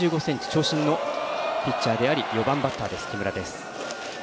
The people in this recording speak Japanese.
長身のピッチャーであり４番バッターの木村です。